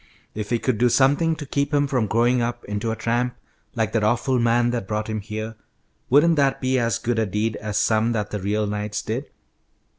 If we could do something to keep him from growing up into a tramp like that awful man that brought him here, wouldn't that be as good a deed as some that the real knights did?